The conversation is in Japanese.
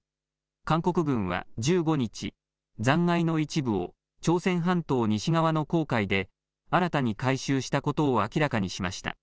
韓国軍は１５日、残骸の一部を朝鮮半島西側の黄海で新たに回収したことを明らかにしました。